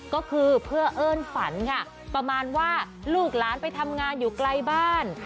ก็คือเพื่อเอิ้นฝันค่ะประมาณว่าลูกหลานไปทำงานอยู่ไกลบ้าน